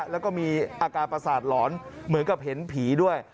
แล้วก็มีอาการประสาทหลอนเหมือนกับเห็นผีด้วย